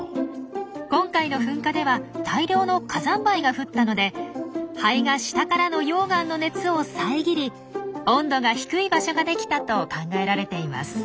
今回の噴火では大量の火山灰が降ったので灰が下からの溶岩の熱を遮り温度が低い場所ができたと考えられています。